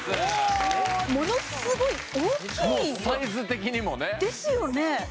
おものすごい大きいサイズ的にもねですよね